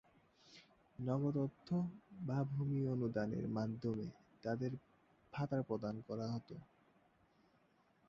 নগদ অর্থ বা ভূমি অনুদানের মাধ্যমে তাদের ভাতা প্রদান করা হতো।